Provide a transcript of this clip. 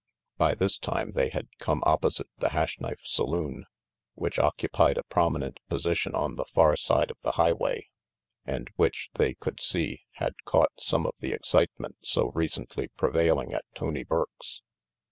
By this time they had come opposite the Hash Knife saloon, which occupied a prominent position on the far side of the highway, and which, they could see, had caught some of the excitement so recently prevailing at Tony Burke's.